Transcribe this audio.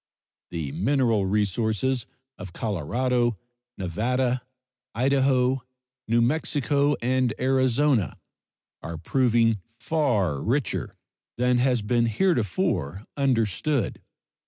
The mineral resources of Colorado, Nevada, Idaho, New Mexico, and Arizona are proving far richer than has been heretofore understood.